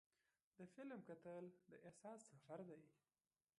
د فلم کتل د احساس سفر دی.